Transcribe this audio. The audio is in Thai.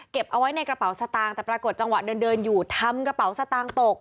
เอาไว้ในกระเป๋าสตางค์แต่ปรากฏจังหวะเดินอยู่ทำกระเป๋าสตางค์ตก